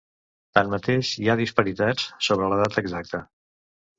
Tanmateix, hi ha disparitats sobre la data exacta.